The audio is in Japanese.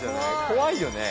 怖いよね。